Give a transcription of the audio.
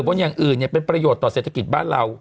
อย่างอื่นเนี่ยเป็นประโยชน์ต่อเศรษฐกิจบ้านเรา